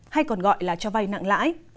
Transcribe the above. hay còn gọi là cho vay nặng lãi